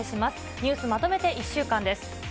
ニュースまとめて１週間です。